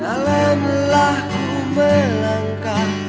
selamalah ku melangkah